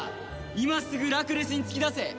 今すぐラクレスに突き出せ。